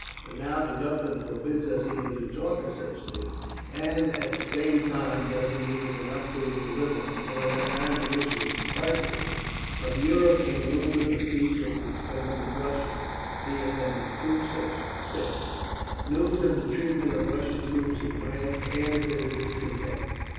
But now the Government forbids us even to talk of such things, and at the same time doesn't give us enough food to live on, or enough ammunition to fight with…." From Europe came rumours of peace at the expense of Russia. (See App. II, Sect. 6)… News of the treatment of Russian troops in France added to the discontent.